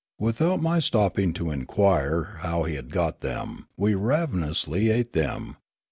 Without my stopping to inquire how he had got them, we ravenously ate them.